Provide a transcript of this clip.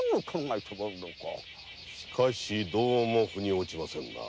しかしどうも腑に落ちませんな。